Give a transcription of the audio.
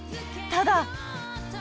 ［ただ］